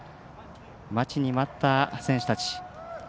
待ちに待った選手たち。